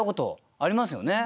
ありますね。